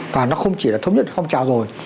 và nó không chỉ là thống nhất phong trào rồi